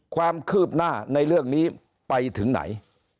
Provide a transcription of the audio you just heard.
ความคืบหน้าในเรื่องนี้ไปถึงไหน